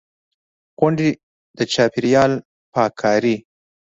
غونډې، د چاپېریال پاک کاري.